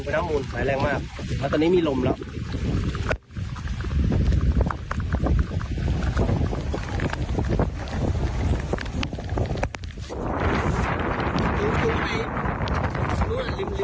น้ำมูลไหลแรงมากแล้วตอนนี้มีลมแล้ว